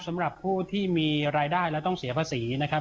สำหรับผู้ที่มีรายได้และต้องเสียภาษีนะครับ